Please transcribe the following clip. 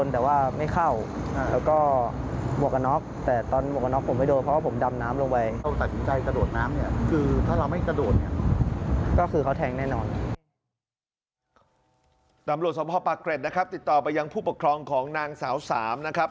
ตำรวจสมภาพปากเกร็ดนะครับติดต่อไปยังผู้ปกครองของนางสาวสามนะครับ